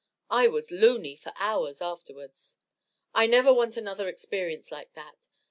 I was "loony" for hours afterwards. I never want another experience like that.